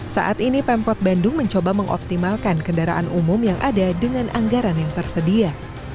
saat ini pemkot bandung mencoba mengoptimalkan kendaraan umum yang ada dengan anggaran yang tersedia